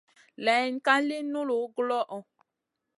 Layn ka li nullu guloʼo.